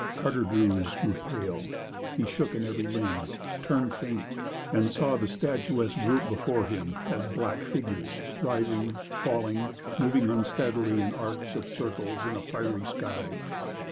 Carter Druse grew pale; he shook in every limb, turned faint, and saw the statuesque group before him as black figures, rising, falling, moving unsteadily in arcs of circles in a fiery sky.